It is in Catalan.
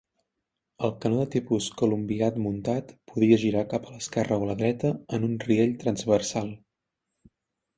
El canó de tipus columbiad muntat podia girar cap a l'esquerra o la dreta en un riell transversal.